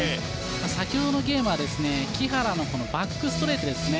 先ほどのゲームは木原のバックストレートですね。